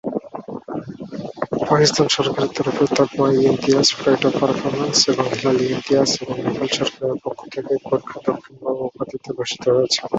পাকিস্তান সরকারের তরফে তমঘা-ই-ইমতিয়াজ, প্রাইড অফ পারফরম্যান্স এবং হিলাল-ই-ইমতিয়াজ এবং নেপাল সরকারের পক্ষ থেকে গোর্খা দক্ষিণা বাহু উপাধিতে ভূষিত হয়েছেন।